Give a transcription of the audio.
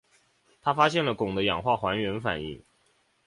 他发现了汞的氧化还原反应。